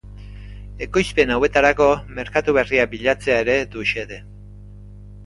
Ekoizpen hauetarako merkatu berriak bilatzea ere du xede.